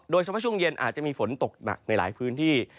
โดยเฉพาะช่วงเย็นอาจจะมีฝนตกหนักในหลายพื้นที่